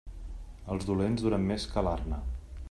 Els dolents duren més que l'arna.